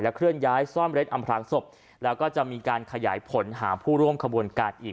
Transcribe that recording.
เคลื่อนย้ายซ่อนเร็ดอำพลางศพแล้วก็จะมีการขยายผลหาผู้ร่วมขบวนการอีก